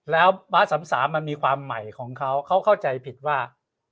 แล้วบาส๓๓มันมีความใหม่ของเขาเขาเข้าใจผิดว่า